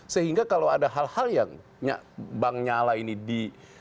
sehingga kalau ada hal hal yang bank nya allah ini di